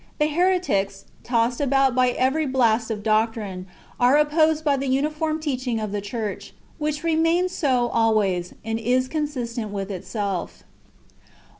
The heretics, tossed about hy every blast of doctrine^ are opposed by the uniform teaching of the church, which remains so always, and is consistent ivith itself.